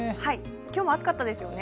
今日も暑かったですよね。